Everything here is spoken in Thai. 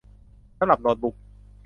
สำหรับโน๊ตบุ๊ค